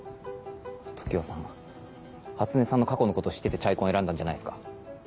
常葉さん初音さんの過去のこと知ってて『チャイコン』選んだんじゃないですか？